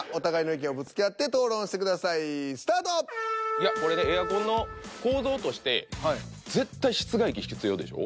いやこれねエアコンの構造として絶対室外機必要でしょ？